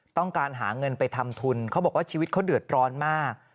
ต้องการหาเงินไปทำทุนเขาบอกว่าชีวิตเขาเดือดร้อนมาก